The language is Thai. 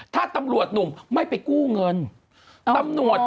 ถ้าตำรวจหนุ่มไม่ไปกู้เงิน